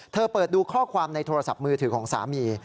เปิดดูข้อความในโทรศัพท์มือถือของสามี